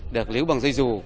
được líu bằng dây dù